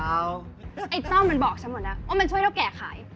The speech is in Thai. ไอ้ต้อมมันบอกฉันหมดแล้วว่ามันช่วยเท่าแก่ขาย